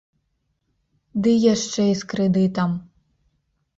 Ды яшчэ і з крэдытам.